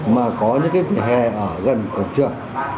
mà có những cái vỉa hè ở gần cổng trường